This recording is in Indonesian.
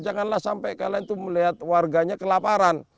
janganlah sampai kalian itu melihat warganya kelaparan